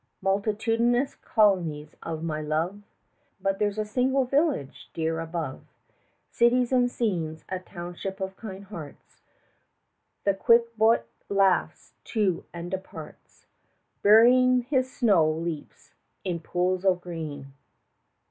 Multitudinous colonies of my love! But there's a single village dear above Cities and scenes, a township of kind hearts, The quick Boïte laughs to and departs 30 Burying his snowy leaps in pools of green.